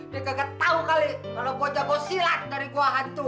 dia kagak tau kali kalau bocah gue silat dari gua hantu